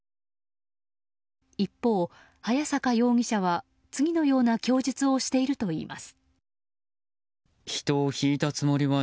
一方、早坂容疑者は次のような供述をしているといいます。